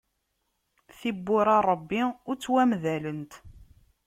Tibbura n Ṛebbi ur ttwamdalent.